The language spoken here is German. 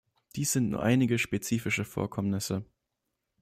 Dies sind nur einige spezifische Vorkommnisse.